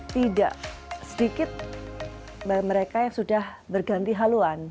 tidak sedikit mereka yang sudah berganti haluan